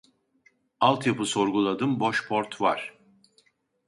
Alt yapı sorguladım, boş port var